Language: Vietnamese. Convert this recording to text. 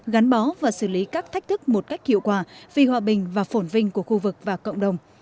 gắn bó và xử lý các thách thức một cách hiệu quả vì hòa bình và phổn vinh của khu vực và cộng đồng